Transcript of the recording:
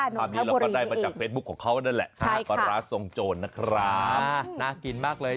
น้องท่านบุรีนี้เองใช่ค่ะปลาร้าทรงโจรน่ากินมากเลย